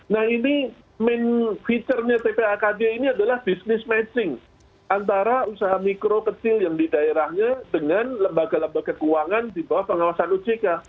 nah ini fiturnya tpa kd ini adalah bisnis matching antara usaha mikro kecil yang di daerahnya dengan lembaga lembaga keuangan di bawah pengawasan ojk